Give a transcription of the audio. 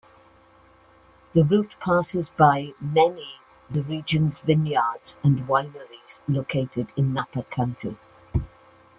The route passes by many the region's vineyards and wineries located in Napa County.